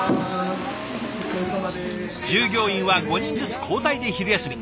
従業員は５人ずつ交代で昼休み。